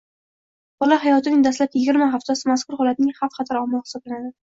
bola hayotining dastlabki yigirma haftasi mazkur holatning xavf-xatar omili hisoblanadi.